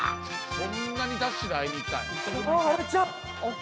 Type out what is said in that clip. そんなにダッシュで会いに行ったんや。